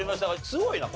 すごいな。